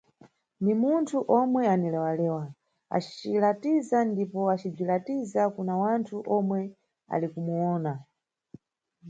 Ni munthu omwe anilewa-lewa, acilatiza ndipo acibzilatiza kuna wanthu omwe ali kumuwona.